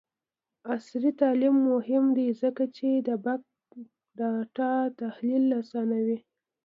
عصري تعلیم مهم دی ځکه چې د بګ ډاټا تحلیل اسانوي.